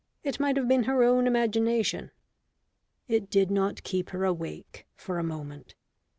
It might have been her own imagination. It did not keep her awake for a moment.